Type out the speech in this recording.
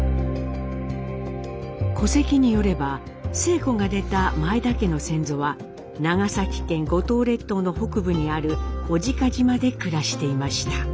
戸籍によれば晴子が出た前田家の先祖は長崎県五島列島の北部にある小値賀島で暮らしていました。